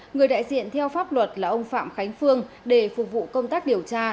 người đại diện theo pháp luật là ông phạm khánh phương để phục vụ công tác điều tra